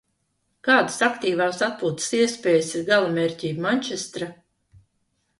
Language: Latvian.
Kādas aktīvās atpūtas iespējas ir galamērķī Mančestra?